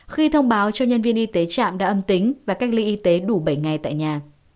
khi thông báo cho nhân viên y tế trạm đã âm tính và cách ly y tế đủ bảy ngày tại nhà